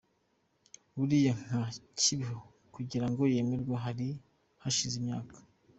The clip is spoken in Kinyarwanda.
Buriya nka Kibeho kugira ngo yemerwe hari hashize imyaka.